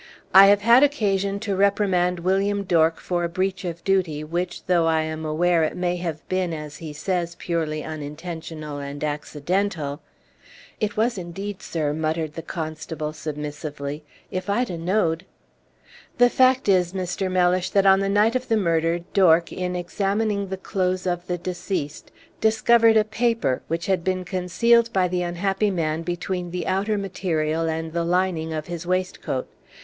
"I have had occasion to reprimand William Dork for a breach of duty, which, though I am aware it may have been, as he says, purely unintentional and accidental " "It was indeed, sir," muttered the constable, submissively. "If I'd ha' know'd " "The fact is, Mr. Mellish, that on the night of the murder, Dork, in examining the clothes of the deceased, discovered a paper, which had been concealed by the unhappy man between the outer material and the lining of his waistcoat.